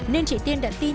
nên chị tiên đã tin tưởng